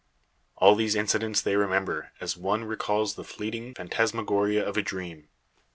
All these incidents they remember, as one recalls the fleeting phantasmagoria of a dream.